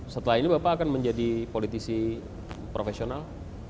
setelah ini bapak akan menjadi politisi profesional